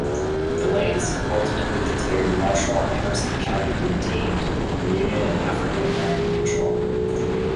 The Lanes ultimately declared Marshall and Harrison County "redeemed" from Union and African-American control.